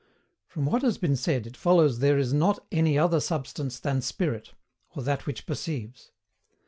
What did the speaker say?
] From what has been said it follows there is NOT ANY OTHER SUBSTANCE THAN SPIRIT, or that which perceives.